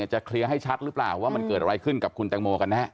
จะเคลียร์ให้ชัดหรือเปล่าว่ามันเกิดอะไรขึ้นกับคุณแตงโมกันแน่